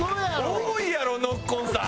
多いやろノッコンさん。